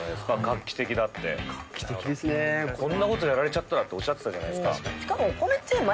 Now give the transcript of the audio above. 画期的だってこんなことやられちゃったらっておっしゃってたじゃないですか